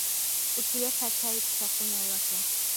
Ukileta chai tutakunywa yote